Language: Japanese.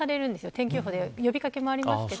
天気予報で呼び掛けますけど。